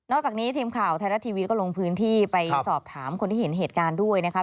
จากนี้ทีมข่าวไทยรัฐทีวีก็ลงพื้นที่ไปสอบถามคนที่เห็นเหตุการณ์ด้วยนะครับ